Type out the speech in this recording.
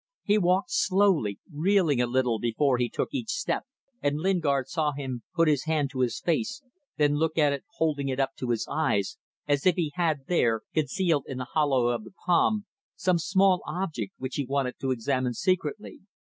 He walked slowly, reeling a little before he took each step, and Lingard saw him put his hand to his face, then look at it holding it up to his eyes, as if he had there, concealed in the hollow of the palm, some small object which he wanted to examine secretly.